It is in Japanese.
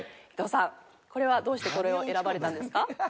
伊藤さんこれはどうしてこれを選ばれたんですか？